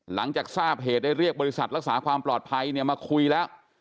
หลังจากทราบเหตุได้เรียกบริษัทรักษาความปลอดภัยเนี่ยมาคุยแล้ว